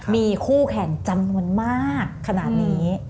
มีคู่แข่งจำนวนมากขนาดนี้